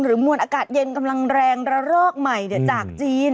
มวลอากาศเย็นกำลังแรงระลอกใหม่จากจีน